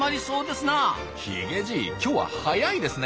ヒゲじい今日は早いですね。